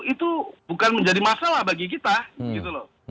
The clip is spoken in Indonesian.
itu bukan menjadi masalah bagi kita gitu loh